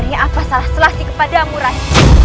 hanya apa salah selassie kepadamu rai